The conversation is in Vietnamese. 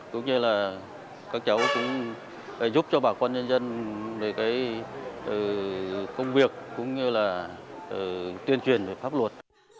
cũng như là các cháu cũng giúp cho bà con nhân dân về cái công việc cũng như là tuyên truyền về pháp luật